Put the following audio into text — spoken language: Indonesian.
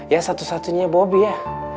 ya satu satunya bobi ya